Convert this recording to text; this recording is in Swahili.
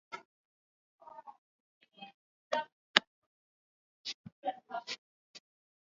wanawake katika Afrika ilionesha kuwa wanawake na mabinti wa Msumbiji wanaendela kuteseka na tofauti